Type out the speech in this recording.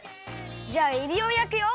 じゃあえびをやくよ。